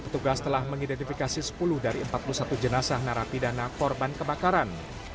petugas telah mengidentifikasi sepuluh dari empat puluh satu jenazah narapidana korban kebakaran